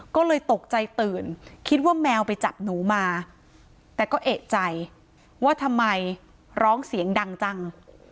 ก็เลยตกใจตื่นคิดว่าแมวไปจับหนูมาแต่ก็เอกใจว่าทำไมร้องเสียงดังจัง